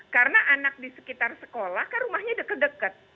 karena anak di sekitar sekolah kan rumahnya dekat dekat